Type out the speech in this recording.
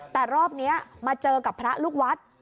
แต่รอบนี้มาเจอกับพระลูกวัด